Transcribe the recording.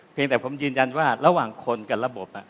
เพียงแต่ผมยืนยันว่าระหว่างคนกับระบบ